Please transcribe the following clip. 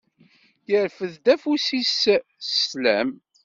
Yerfed-d afus-is s sslam.